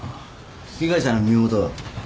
被害者の身元は？